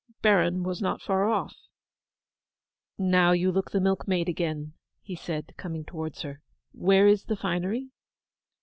Baron was not far off. 'Now you look the milkmaid again,' he said, coming towards her. 'Where is the finery?